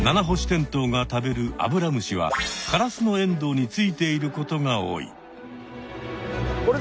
テントウが食べるアブラムシはカラスノエンドウについていることが多い。